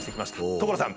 所さん！